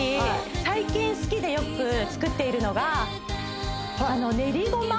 最近好きでよく作っているのがねりごま！